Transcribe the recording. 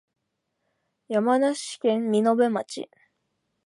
山梨県身延町